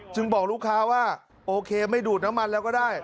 บอกลูกค้าว่าโอเคไม่ดูดน้ำมันแล้วก็ได้